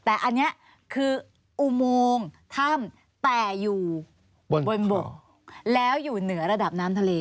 แต่อันนี้คืออุโมงถ้ำแต่อยู่บนบ่อแล้วอยู่เหนือระดับน้ำทะเล